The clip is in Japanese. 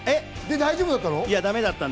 大丈夫だったの？